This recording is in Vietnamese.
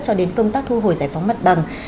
cho đến công tác thu hồi giải phóng mặt bằng